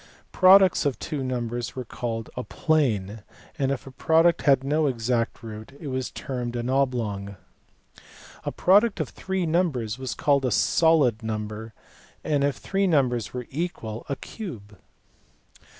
Pro lucts of two numbers were called plane, and, if a product had no >xact square root, it was termed an oblong. A product of three lumbers was called a solid number, and, if the three numbers vvere equal, a cube.